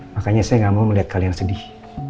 makanya saya gak mau melihat kalian sedih